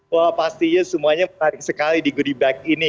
wah pastinya semuanya menarik sekali di goodie bag ini